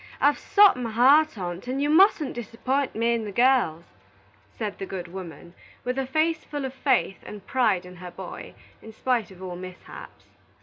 I've sot my heart on't, and you musn't disapp'int me and the girls," said the good woman, with a face full of faith and pride in her boy, in spite of all mishaps.